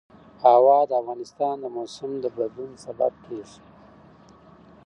هوا د افغانستان د موسم د بدلون سبب کېږي.